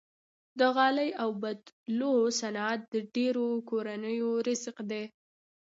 د غالۍ اوبدلو صنعت د ډیرو کورنیو رزق دی۔